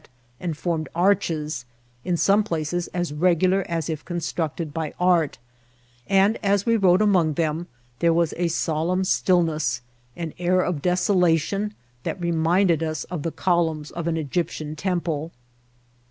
4t BHQl, and formed arohesi in 9ome places as regolar as if constructed by art ; and as we rode among themi there was a solenm stillness^ an air of desolation, that re minded us of the columns of an Egyptian temple.